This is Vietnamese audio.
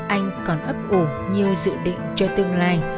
anh còn ấp ổ nhiều dự định cho tương lai